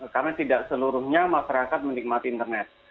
karena tidak seluruhnya masyarakat menikmati internet